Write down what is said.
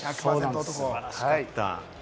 素晴らしかった。